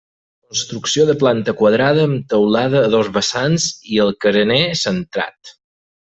Construcció de planta quadrada amb teulada a dos vessants i el carener centrat.